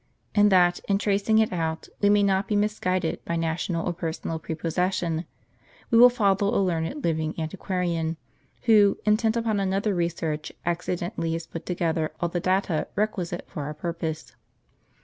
And that, in tracing it out, we may not be misguided by national or personal prepossession, we will follow a learned living antiquarian, who, intent upon another research, accidentally has put together all the data requisite for our purpose.